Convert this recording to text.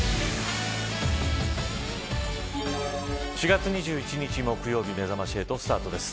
４月２１日木曜日めざまし８スタートです。